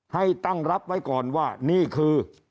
ให้ตั้งรับไว้ก่อนว่านี่คือ